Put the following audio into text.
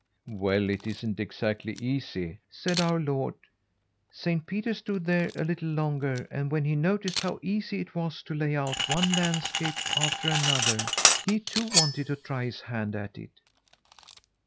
'Well, it isn't exactly easy,' said our Lord. Saint Peter stood there a little longer, and when he noticed how easy it was to lay out one landscape after another, he too wanted to try his hand at it.